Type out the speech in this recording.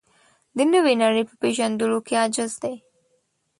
د نوې نړۍ په پېژندلو کې عاجز دی.